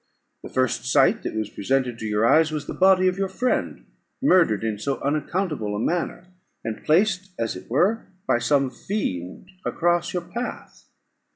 The first sight that was presented to your eyes was the body of your friend, murdered in so unaccountable a manner, and placed, as it were, by some fiend across your path."